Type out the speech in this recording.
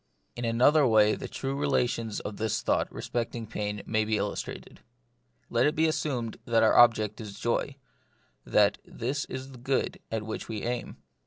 In another way the true relations of this thought respecting pain may be illustrated. Let it be assumed that our object is joy, that this is the good at which we aim.